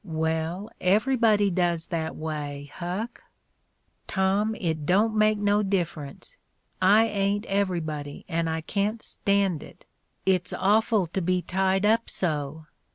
"Well, everybody does that way, Huck. " "Tom, it don't make no difference. I ain't everybody, and I can't stand it. It's awful to be tied up so.